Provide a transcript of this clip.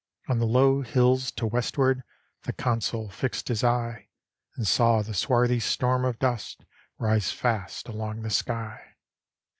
On the low hills to westward The Consul fixed his eye. And saw the swarthy storm of dust Rise fast along the sky.